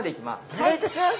お願いいたします！